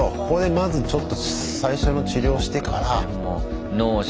ここでまずちょっと最初の治療してから。